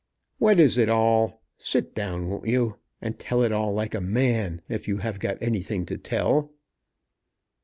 "What is it all? Sit down; won't you? and tell it all like a man if you have got anything to tell."